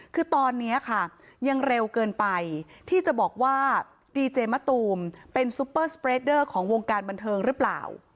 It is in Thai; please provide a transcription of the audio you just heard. คือตอนนี้ค่ะยังเร็วเกินไปที่จะบอกว่าดีเจมะตูมเป็นซุปเปอร์สเปรดเดอร์ของวงการบันเทิงหรือเปล่า